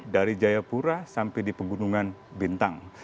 dari jayapura sampai di pegunungan bintang